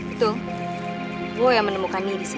itu gue yang menemukan ini di sana